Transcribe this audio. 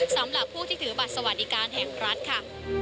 สำหรับผู้ที่ถือบัตรสวัสดิการแห่งรัฐค่ะ